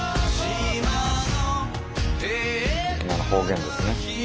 今の方言ですね。